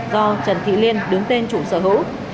do trần thị liên đứng tên chủ sở hữu